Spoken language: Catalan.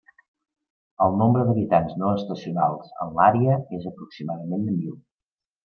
El nombre d'habitants no estacionals en l'àrea és aproximadament de mil.